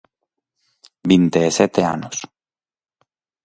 Vinte e sete anos.